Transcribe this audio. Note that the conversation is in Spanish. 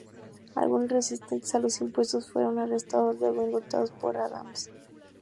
Algunos resistentes a los impuestos fueron arrestados, luego indultados por Adams.